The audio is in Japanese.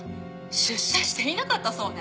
出社していなかったそうね。